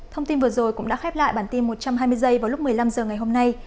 thông tin vừa rồi cũng đã khép lại bản tin một trăm hai mươi h vào lúc một mươi năm h ngày hôm nay